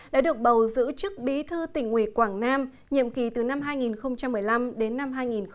đã được bầu giữ chức bí thư tỉnh ủy quảng nam nhiệm kỳ từ năm hai nghìn một mươi năm đến năm hai nghìn hai mươi